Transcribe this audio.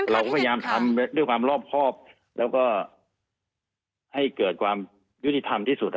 เราก็พยายามทำด้วยความรอบครอบแล้วก็ให้เกิดความยุติธรรมที่สุด